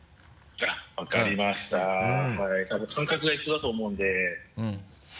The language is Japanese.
多分感覚が一緒だと思うんで。